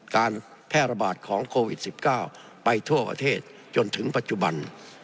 การแพร่ระบาดของโควิด๑๙ไปทั่วประเทศจนถึงปัจจุบัน